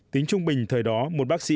tính trung bình thời đó một bác sĩ